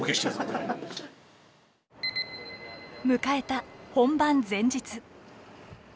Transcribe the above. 迎えた本番前日。